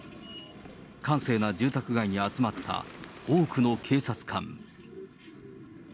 閑静な住宅街に集まった多くの警察官。